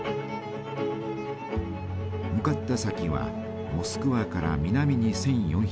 向かった先はモスクワから南に１，４００キロ。